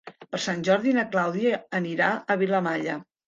Per Sant Jordi na Clàudia anirà a Vilamalla.